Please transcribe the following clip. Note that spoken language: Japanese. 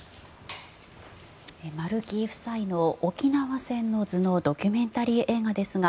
丸木夫妻の「沖縄戦の図」のドキュメンタリー映画ですが